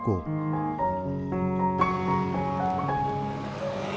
tapi di mana